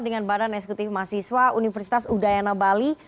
dengan badan eksekutif mahasiswa universitas udayana bali